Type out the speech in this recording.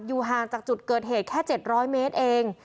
ห่างจากจุดเกิดเหตุแค่๗๐๐เมตรเอง